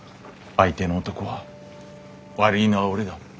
相手の男は「悪いのは俺だ。